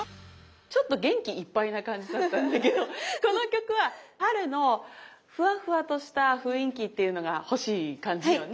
ちょっと元気いっぱいな感じだったんだけどこの曲は春のふわふわとした雰囲気っていうのが欲しい感じよね。